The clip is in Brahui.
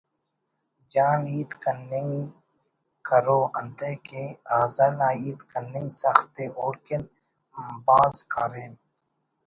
جان ہیت کننگ کرو انتئے کہ غزل آ ہیت کننگ سخت ءِ اوڑکن بھاز کاریم